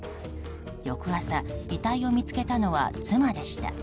翌朝、遺体を見つけたのは妻でした。